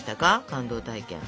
感動体験。